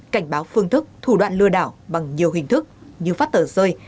cảnh báo phương thức thủ đoạn lừa đảo bằng nhiều hình thức như phát tờ rơi